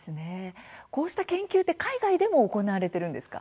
こうした研究って海外でも行われてるんですか？